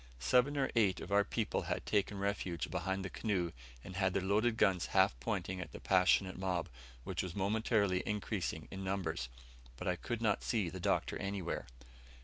Seven or eight of our people had taken refuge behind the canoe, and had their loaded guns half pointing at the passionate mob, which was momentarily increasing in numbers, but I could not see the Doctor anywhere.